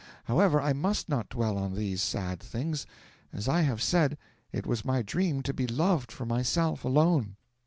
However, I must not dwell on these sad things. As I have said, it was my dream to be loved for myself alone.